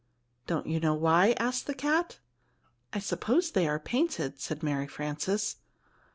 "Don't you know why?" asked the cat. "I suppose they are painted," said Mary Frances.